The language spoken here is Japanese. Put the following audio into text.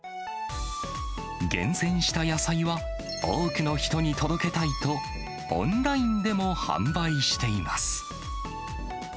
厳選した野菜は、多くの人に届けたいと、オンラインでも販売しています。